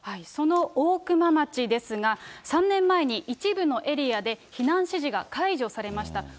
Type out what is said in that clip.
その大熊町ですが、３年前に一部のエリアで、避難指示が解除されました。